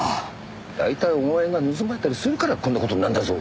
大体お前が盗まれたりするからこんな事になるんだぞ！